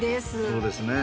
そうですね。